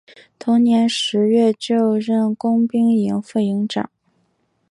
同年十月就任工兵营副营长。